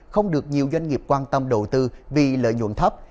không được nhiều doanh nghiệp quan tâm đầu tư vì lợi nhuận thấp